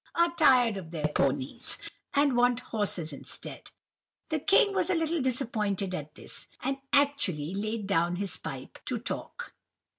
—are tired of their ponies, and want horses instead.' "The king was a little disappointed at this, and actually laid down his pipe to talk.